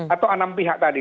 atau enam pihak tadi